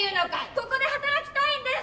ここで働きたいんです！